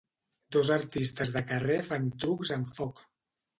Dos artistes de carrer fan trucs amb foc